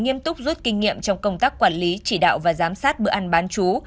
nghiêm túc rút kinh nghiệm trong công tác quản lý chỉ đạo và giám sát bữa ăn bán chú